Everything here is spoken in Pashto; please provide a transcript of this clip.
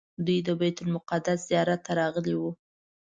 دوی د بیت المقدس زیارت ته راغلي وو.